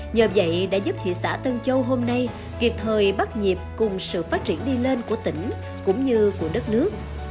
nhờ vậy đã giúp thị xã tân châu hôm nay kịp thời bắt nhịp cùng sự phát triển đi lên của tỉnh cũng như của đất nước